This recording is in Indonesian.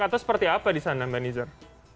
atau seperti apa di sana mbak nizar